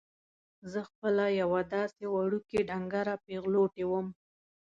زه خپله یوه داسې وړوکې ډنګره پېغلوټې وم.